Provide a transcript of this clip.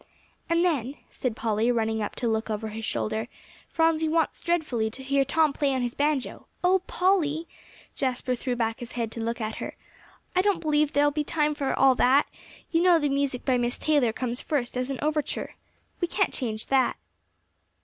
"And then," said Polly, running up to look over his shoulder, "Phronsie wants dreadfully to hear Tom play on his banjo." "Oh, Polly," Jasper threw back his head to look at her "I don't believe there'll be time for all that; you know the music by Miss Taylor comes first as an overture. We can't change that."